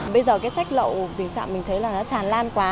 bây giờ cái sách lậu tình trạng mình thấy là nó tràn lan quá